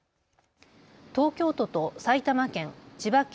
東京都と埼玉県、千葉県